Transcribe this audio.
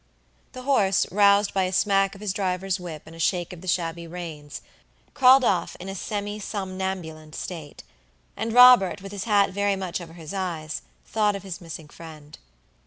The horse, roused by a smack of his driver's whip and a shake of the shabby reins, crawled off in a semi somnambulent state; and Robert, with his hat very much over his eyes, thought of his missing friend.